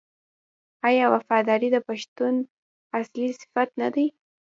آیا وفاداري د پښتون اصلي صفت نه دی؟